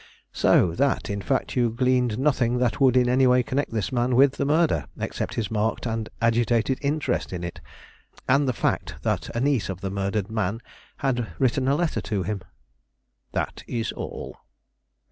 "So that, in fact, you gleaned nothing that would in any way connect this man with the murder except his marked and agitated interest in it, and the fact that a niece of the murdered man had written a letter to him?" "That is all."